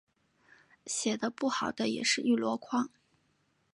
写的不好的也是一箩筐